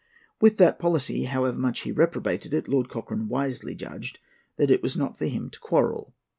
With that policy, however much he reprobated it, Lord Cochrane wisely judged that it was not for him to quarrel.